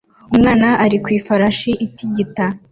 Umwana ari ku ifarashi itigita